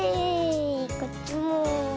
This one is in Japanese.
こっちも。